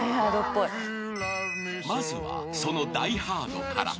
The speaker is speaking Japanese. ［まずはその『ダイ・ハード』から］